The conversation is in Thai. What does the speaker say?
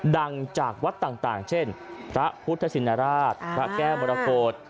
ดังจากวัดต่างเช่นพระพุทธชินราชพระแก้วมรกฏ